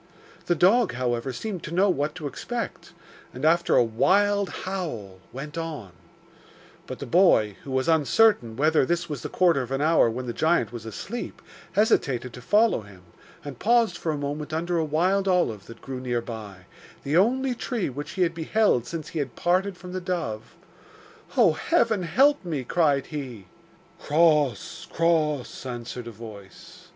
The dog, however, seemed to know what to expect, and, after a wild howl, went on; but the boy, who was uncertain whether this was the quarter of an hour when the giant was asleep, hesitated to follow him, and paused for a moment under a wild olive that grew near by, the only tree which he had beheld since he had parted from the dove. 'Oh, heaven, help me!' cried he. 'Cross! cross!' answered a voice.